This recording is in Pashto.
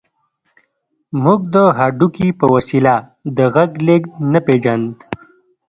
موږ د هډوکي په وسيله د غږ لېږد نه پېژاند.